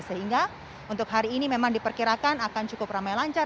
sehingga untuk hari ini memang diperkirakan akan cukup ramai lancar